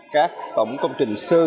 các tổng công trình sư